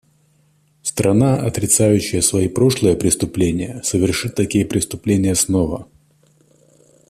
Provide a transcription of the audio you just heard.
Страна, отрицающая свои прошлые преступления, совершит такие преступления снова.